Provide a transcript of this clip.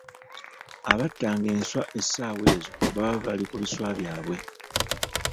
Abattanga enswa essaawa ezo baba bali ku biswa byabwe.